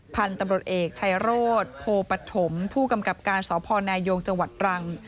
พันธุ์ตำรวจเอกชัยโรธโพปฐมผู้กำกับการสพนายงจังหวัดตรัง